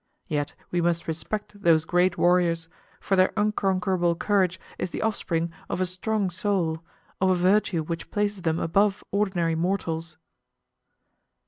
Yet we must respect those great warriors, for their unconquerable courage is the offspring of a strong soul, of a virtue which places them above ordinary mortals.